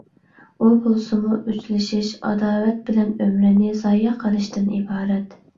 ئۇ بولسىمۇ ئۆچلىشىش، ئاداۋەت بىلەن ئۆمرىنى زايە قىلىشتىن ئىبارەت.